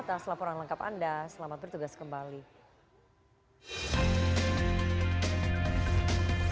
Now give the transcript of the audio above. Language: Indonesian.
karsam indonesia pastikan adalah orang yang datang ataupun yang melayani adalah